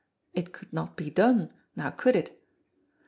It could not be done, now could it?